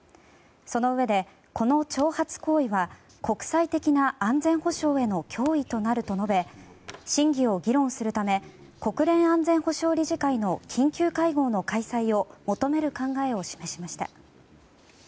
そのうえで、この挑発行為は国際的な安全保障への脅威となると述べ真偽を議論するため国連安全保障理事会の緊急会合の開催を求める考えを示しました。